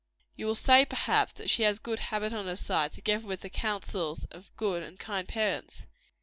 You will say, perhaps, that she has good habit on her side, together with the counsels of good and kind parents.